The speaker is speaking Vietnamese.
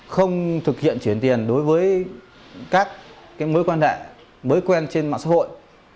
không thực hiện chuyển tiền đối với các mối quan hệ mới quen trên mạng xã hội